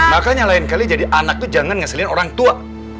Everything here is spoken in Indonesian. makanya lain kali jadi anak tuh jangan ngeselin orang tua